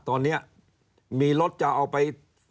ตอนนี้มีรถจะเอาไป